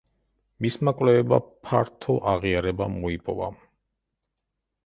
მისმა კვლევებმა ფართო აღიარება მოიპოვა.